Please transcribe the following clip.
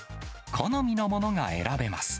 好みのものが選べます。